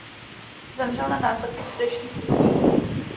Zemřel na následky srdeční choroby.